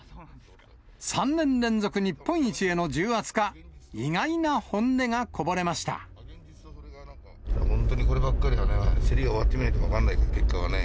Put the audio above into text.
３年連続日本一への重圧か、本当にこればっかりはね、競りが終わってみないと分かんないから、結果はね。